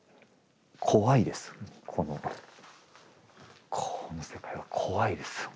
怖いですこのこの世界は怖いですほんとに。